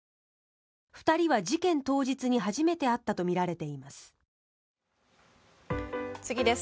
２人は事件当日に初めて会ったとみられています。